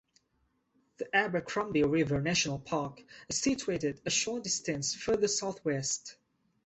The Abercrombie River National Park is situated a short distance, further southwest.